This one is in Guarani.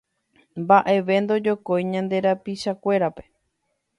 Mbaʼeve ndojokói ñande rapichakuérape